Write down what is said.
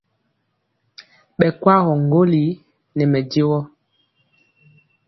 Ɓɛ kwagɔ ŋgolli nɛ mɛdivɔ.